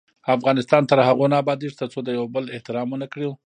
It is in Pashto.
افغانستان تر هغو نه ابادیږي، ترڅو د یو بل احترام ونه کړو.